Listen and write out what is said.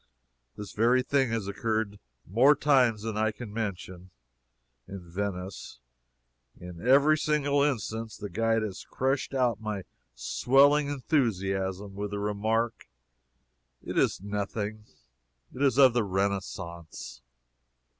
This very thing has occurred more times than I can mention, in Venice. In every single instance the guide has crushed out my swelling enthusiasm with the remark: "It is nothing it is of the Renaissance."